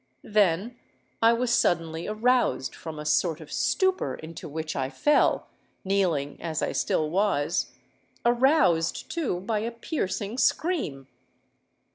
Then I was suddenly aroused from a sort of stupor into which I fell—kneeling as I still was,—aroused, too, by a piercing scream.